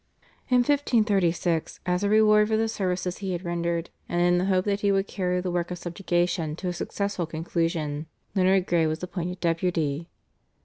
In 1536, as a reward for the services he had rendered and in the hope that he would carry the work of subjugation to a successful conclusion, Leonard Grey was appointed Deputy.